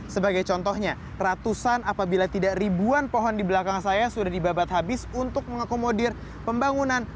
sebagai contohnya ratusan apabila tidak ribuan pohon di belakang saya sudah dibabat habis untuk mengakomodir pembangunan